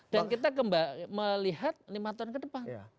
dan kita melihat lima tahun ke depan